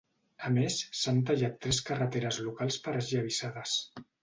A més s’han tallat tres carreteres locals per esllavissades.